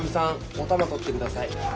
おたま取ってください。